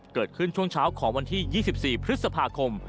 เกิดขึ้นช่วงเช้าของวันที่๒๔พฤษภาคม